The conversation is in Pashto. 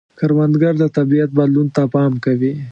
کروندګر د طبیعت بدلون ته پام کوي